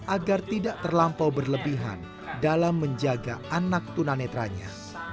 agar tidak terlampau berlebihan dalam menjaga anak tuna netranya